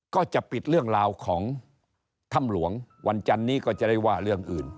ก็จะปิดเรื่องราวของถ้ำหลวงวันจันนี้ก็จะได้ว่าเรื่องอื่น